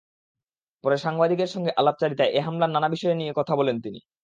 পরে সাংবাদিকদের সঙ্গে আলাপচারিতায় এ হামলার নানা বিষয় নিয়ে কথা বলেন তিনি।